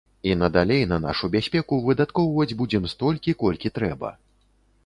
І надалей на нашу бяспеку выдаткоўваць будзем столькі, колькі трэба.